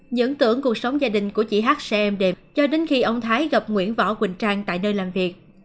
những tưởng cuộc sống gia đình của chị hắc sẽ êm đềm cho đến khi ông thái gặp nguyễn võ quỳnh trang tại nơi làm việc